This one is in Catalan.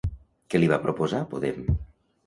Què li va proposar Podem?